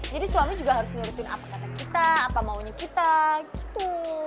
jadi suami juga harus nurutin apa kata kita apa maunya kita gitu